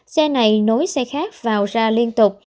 xe này nối xe khác vào ra liên tục